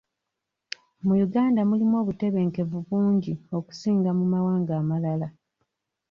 Mu Uganda mulimu obutebenkevu bungi okusinga mu mawanga amalala.